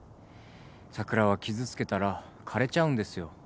桜は傷つけたら枯れちゃうんですよ。